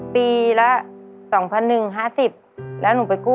ปีละ